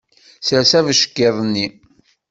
Sers abeckiḍ-nni.